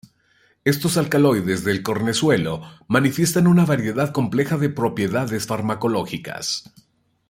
Estos alcaloides del cornezuelo manifiestan una variedad compleja de propiedades farmacológicas.